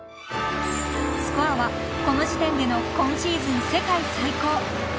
［スコアはこの時点での今シーズン世界最高］